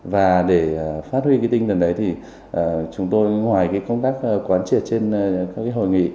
và để phát huy cái tinh thần đấy thì chúng tôi ngoài công tác quán triệt trên các hội nghị